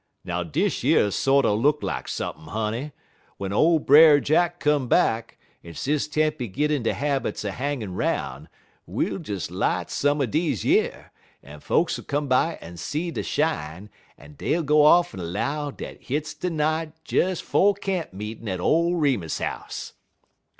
"Now dish yer sorter look lak sump'n', honey. W'en ole Brer Jack come back, en Sis Tempy git in de habits er hangin' 'roun', we'll des light some er dese yer, en folks'll come by en see de shine, en dey'll go off en 'low dat hit's de night des 'fo' camp meetin' at ole Remus house.